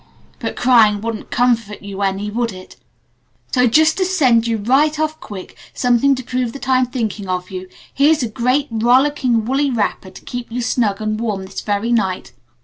But crying wouldn't 'comfy' you any, would it? So just to send you right off quick something to prove that I'm thinking of you, here's a great, rollicking woolly wrapper to keep you snug and warm this very night.